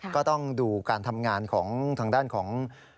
ก็ต้องดูการทำงานของทางด้านของ